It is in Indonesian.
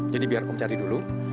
jadi biar om cari dulu